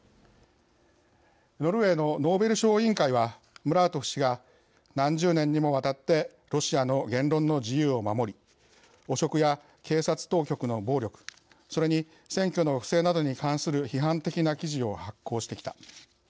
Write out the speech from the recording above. ノルウェーのノーベル賞委員会はムラートフ氏が「何十年にもわたってロシアの言論の自由を守り汚職や警察当局の暴力それに選挙の不正などに関する批判的な記事を発行してきた。